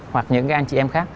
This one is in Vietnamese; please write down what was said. hoặc những anh chị em khác